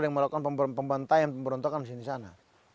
dan melakukan pembantaian pemberontakan di sini sana